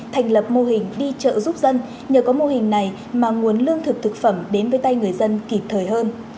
thành lập mô hình đi chợ giúp dân nhờ có mô hình này mà nguồn lương thực thực phẩm đến với tay người dân kịp thời hơn